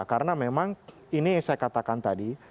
karena memang ini yang saya katakan tadi